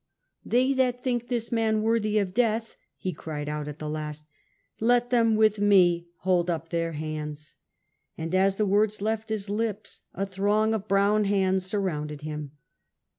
"They that think this man worthy of death," he cried out at the last, " let them with me hold up their hands." And as the words left his lips a throng of brown hands surrounded him.